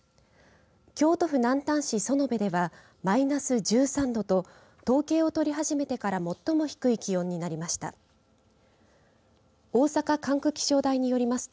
京都府南丹園部ではマイナス１３度と統計を取り始めてから最も低い気温になりました。